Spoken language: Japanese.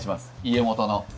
家元の。